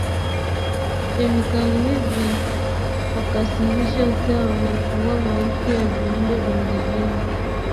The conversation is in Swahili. Kemikali hizi hukasirisha usawa na kuua maelfu ya viumbe vya majini